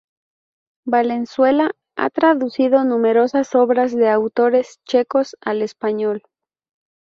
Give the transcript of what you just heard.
Valenzuela ha traducido numerosas obras de autores checos al español.